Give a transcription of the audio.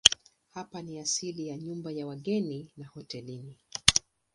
Hapa ni asili ya nyumba ya wageni na hoteli.